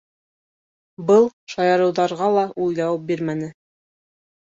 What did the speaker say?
Был шаярыуҙарға ла ул яуап бирмәне.